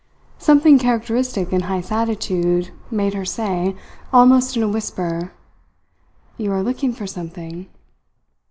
Something characteristic in Heyst's attitude made her say, almost in a whisper: "You are looking for something."